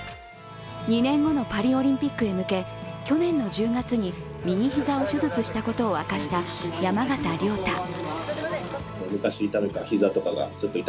２年後のパリオリンピックへ向け去年の１０月に右膝を手術したことを明かした山縣亮太。